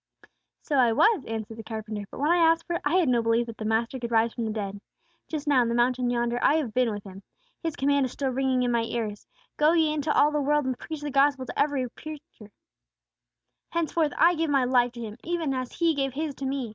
"So I was," answered the carpenter; "but when I asked for it, I had no belief that the Master could rise from the dead. Just now, on the mountain yonder, I have been with Him. His command is still ringing in my ears: 'Go ye into all the world, and preach the gospel to every creature!' "Henceforth I give my life to Him, even as He gave His to me.